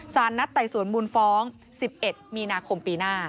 สารนัดไต่สวนมูลฟ้อง๑๑มีนาคมปีหน้า